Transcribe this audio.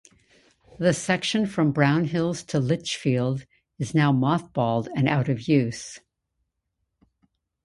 The section from Brownhills to Lichfield is now mothballed and out of use.